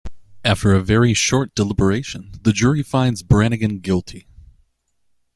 After a very short deliberation, the jury finds Brannigan guilty.